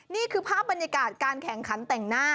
นี่คือภาพบรรยากาศการแข่งขันแต่งหน้า